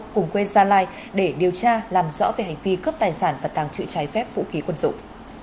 cùng quê gia lai để điều tra làm rõ về hành vi cướp tài sản và tàng trự trái phép vũ khí quân dụng